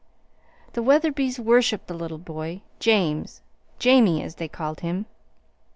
The Wetherbys worshiped the little boy, James 'Jamie,' as they called him.